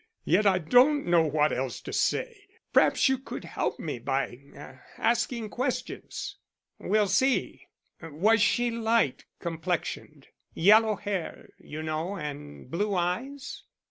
Yet I don't know what else to say. P'raps you could help me by asking questions." "We'll see. Was she light complexioned? Yellow hair, you know, and blue eyes?"